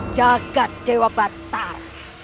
jaga dewa batar